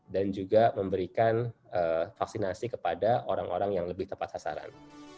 juga memberikan vaksinasi kepada orang orang yang lebih tepat sasaran